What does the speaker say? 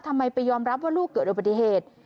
ทำไมไปยอมรับว่าลูกเกิดอุบัติเหตุ